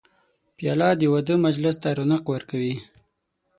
پیاله د واده مجلس ته رونق ورکوي.